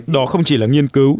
đó không chỉ là nghiên cứu